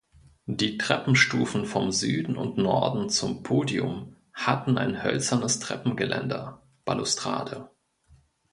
Die Treppenstufen vom Süden und Norden zum Podium hatten ein hölzernes Treppengeländer (Balustrade).